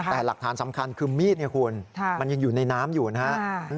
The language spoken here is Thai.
แต่หลักฐานสำคัญคือมีดเนี่ยคุณมันยังอยู่ในน้ำอยู่นะครับ